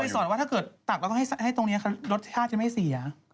ไม่เคยสอนว่าถ้าเกิดตักเราต้องให้ตรงนี้ค่ะลดที่๕จะไม่ให้๔อ่ะ